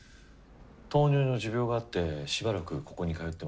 糖尿の持病があってしばらくここに通ってました。